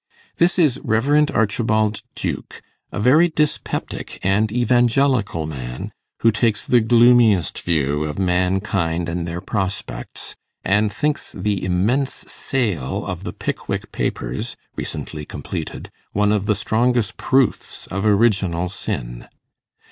This is Rev. Archibald Duke, a very dyspeptic and evangelical man, who takes the gloomiest view of mankind and their prospects, and thinks the immense sale of the 'Pickwick Papers,' recently completed, one of the strongest proofs of original sin.